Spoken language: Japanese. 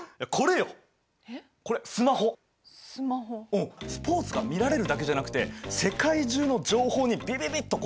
うんスポーツが見られるだけじゃなくて世界中の情報にビビビッとこうアクセスできちゃうわけ。